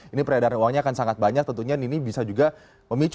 ini peredaran uangnya akan sangat banyak tentunya ini bisa juga memicu